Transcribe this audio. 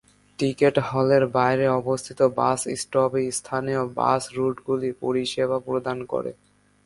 Ticket হলের বাইরে অবস্থিত বাস স্টপে স্থানীয় বাস রুটগুলি পরিষেবা প্রদান করে।